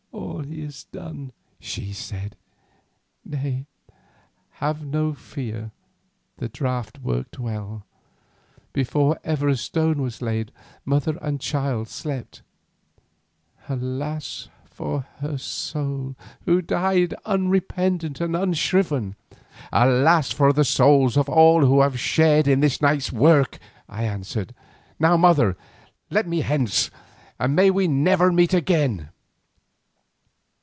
"All is done," she said. "Nay, have no fear, the draught worked well. Before ever a stone was laid mother and child slept sound. Alas for her soul who died unrepentant and unshriven!" "Alas for the souls of all who have shared in this night's work," I answered. "Now, mother, let me hence, and may we never meet again!"